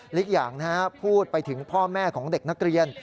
อีกอย่างพูดไปถึงพ่อแม่ของเด็กนักเรียน